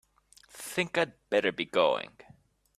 Think I'd better be going.